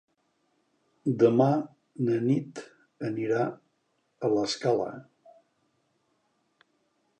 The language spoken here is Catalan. Demà na Nit anirà a l'Escala.